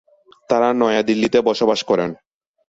তারা নয়াদিল্লিতে বসবাস করেন।